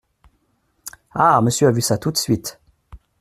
Ah ! monsieur a vu ça tout de suite !